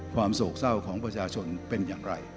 โศกเศร้าของประชาชนเป็นอย่างไร